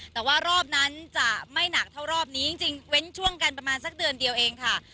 แต่ว่ารอบนั้นจะไม่หนักเท่ารอบนี้จริงเว้นช่วงกันประมาณสักเดือนเดียวเองค่ะ